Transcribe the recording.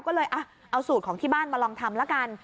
ก็เลยเอาสูตรของที่บ้านมาลองทำละกัน